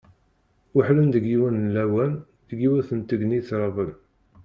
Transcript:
Weḥlen deg yiwen n lawan, deg yiwet n tegnit raben.